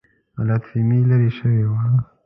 غلط فهمي لیرې شوې وای.